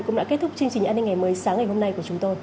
cũng đã kết thúc chương trình an ninh ngày hôm nay